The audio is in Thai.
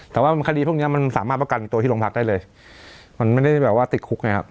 แต่ว่าคดีพวกเนี้ยมันสามารถประกันตัวที่โรงพักได้เลยมันไม่ได้แบบว่าติดคุกไงครับ